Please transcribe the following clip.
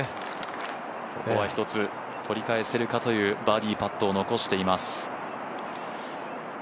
ここは１つ取り返せるかというバーディーパットを残しています。